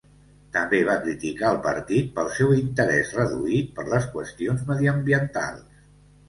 També va criticar el partit pel seu interès reduït per les qüestions mediambientals.